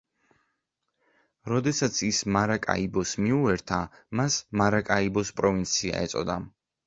როდესაც ის მარაკაიბოს მიუერთა, მას მარაკაიბოს პროვინცია ეწოდა.